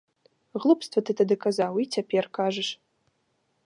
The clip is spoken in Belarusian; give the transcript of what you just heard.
Глупства ты тады казаў і цяпер кажаш.